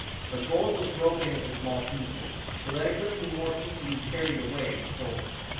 The gold was broken into small pieces, so that it could be more easily carried away and sold.